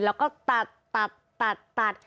แล้วก็ตัดตัดตัดตัด